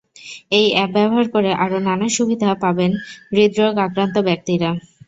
এই অ্যাপ ব্যবহার করে আরও নানা সুবিধা পাবেন হৃদ্রোগে আক্রান্ত ব্যক্তিরা।